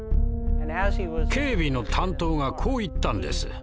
警備の担当がこう言ったんです。